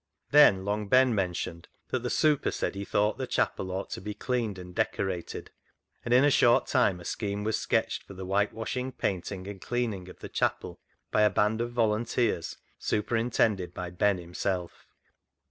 Then Long Ben mentioned that the " super " said he thought the chapel ought to be cleaned and decorated, and in a short time a scheme was sketched for the whitewashing, painting, and cleaning of the chapel by a band of volun teers superintended by Ben himself.